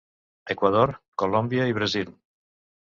Equador, Colòmbia i Brasil.